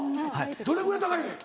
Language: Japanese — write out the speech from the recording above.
どれぐらい高いねん？